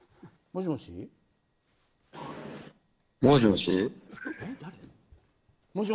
もしもし。